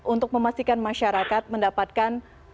untuk memastikan masyarakat mendapatkan